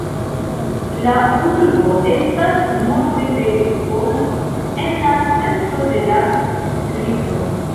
La urbo estas norde de Lisbono, en la centro de la distrikto.